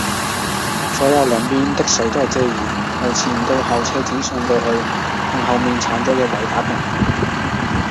左右兩邊的水都係遮耳，由前到後斜剪上去到同後面剷咗嘅位打平